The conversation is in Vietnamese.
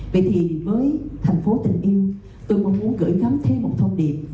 vậy thì với tp hcm tôi muốn gửi gắm thêm một thông điệp